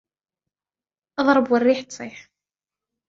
اضرب والريح تصيح